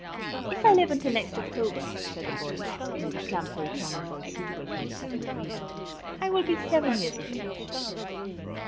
"If I live until next October," said the boy, in a declamatory tone of voice suitable for a Second Reader, "I will be 7 years of age."